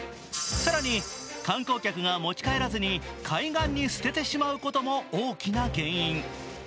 更に観光客が持ち帰らずに海岸に捨ててしまうことも大きな原因。